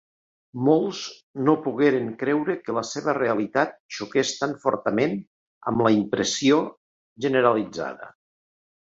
Molts no pogueren creure que la seva realitat xoqués tan fortament amb la impressió generalitzada.